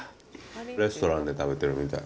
レストランで食べてるみたい。